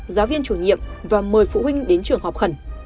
giáo viên chủ nhiệm và mời phụ huynh đến trường học khẩn